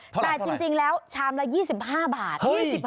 แต่จริงแล้วชามละ๒๕บาท